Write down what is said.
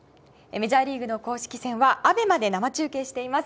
メジャーリーグの公式戦はＡＢＥＭＡで生中継しています。